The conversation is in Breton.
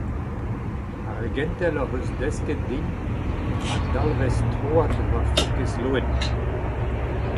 Ar gentel hoc’h eus desket din a dalvez troad va faour kaezh loen.